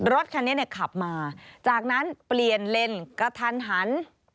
รถคันนี้ขับมาจากนั้นเปลี่ยนเลนกระทันหัน